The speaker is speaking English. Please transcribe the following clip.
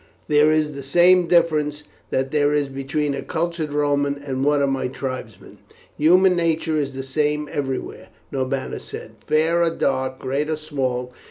There is the same difference that there is between a cultured Roman and one of my tribesmen." "Human nature is the same everywhere," Norbanus said, "fair or dark, great or small.